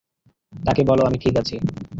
তাকে বলো, আমি ঠিক আছি।